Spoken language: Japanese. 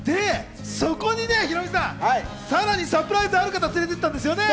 そこにヒロミさん、さらにサプライズである方連れてったんですよね。